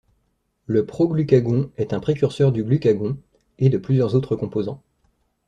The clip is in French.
Le proglucagon est un précurseur du glucagon et de plusieurs autres composants.